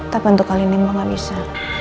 tapi untuk kali ini mah gak bisa